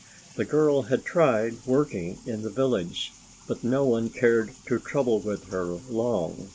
The girl had tried working in the village, but no one cared to trouble with her long.